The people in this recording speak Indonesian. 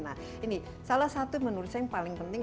nah ini salah satu menurut saya yang paling penting